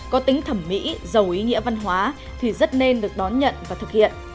có tính thẩm mỹ giàu ý nghĩa văn hóa thì rất nên được đón nhận và thực hiện